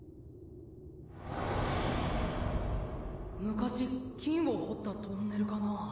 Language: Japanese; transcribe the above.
昔金を掘ったトンネルかなぁ。